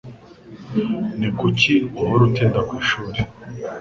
Ni ukubera iki uhora utinda ku ishuri?